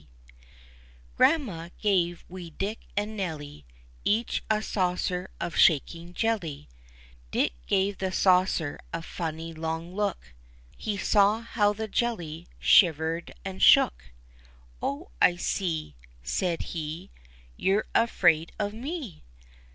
a RANDMA gave wee Dick and Nelly Each, a saucer of shaking jelly ; Dick gave the saucer a funny long look — He saw how the jelly shivered and shook. " Oh, I see !" said he. " You're afraid of me